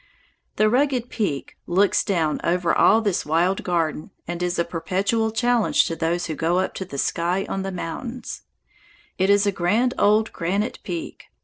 The rugged Peak looks down over all this wild garden, and is a perpetual challenge to those who go up to the sky on mountains. It is a grand old granite peak.